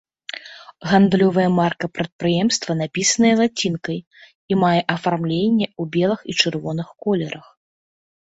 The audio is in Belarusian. Гандлёвая марка прадпрыемства напісаная лацінкай і мае афармленне ў белых і чырвоных колерах.